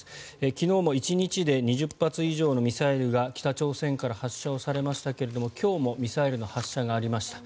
昨日も１日で２０発以上のミサイルが北朝鮮から発射をされましたけれども今日もミサイルの発射がありました。